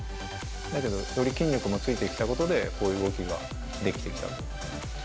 だけどより筋力もついてきたことで、こういう動きができてきたと。